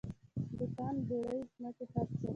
دوکان بوړۍ ځمکې هر څه.